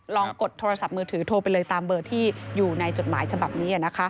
กดโทรศัพท์มือถือโทรไปเลยตามเบอร์ที่อยู่ในจดหมายฉบับนี้